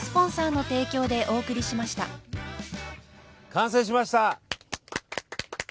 完成しました！